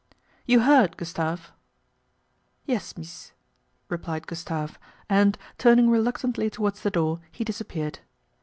' You heard, Gustave ?"" Yes, mees," replied Gustave and, turning reluctantly towards the door, he disappeared.